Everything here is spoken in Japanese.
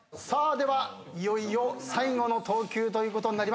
ではいよいよ最後の投球ということになります。